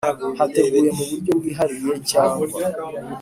Hateguye mu buryo bwihariye cyangwa